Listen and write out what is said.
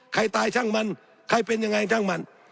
ใครตายช่างมันใครเป็นยังไงช่างมัน